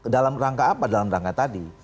dalam rangka apa dalam rangka tadi